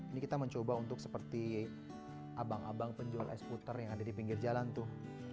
ini kita mencoba untuk seperti abang abang penjual es puter yang ada di pinggir jalan tuh